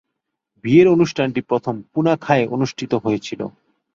বিয়ের অনুষ্ঠান টি প্রথম পুনাখায় অনুষ্ঠিত হয়েছিল।